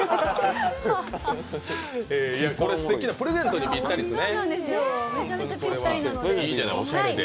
これすてきな、プレゼントにぴったりですね。